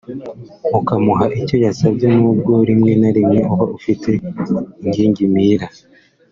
ukamuha icyo yasabye n’ubwo rimwe na rimwe uba ufite ingingimira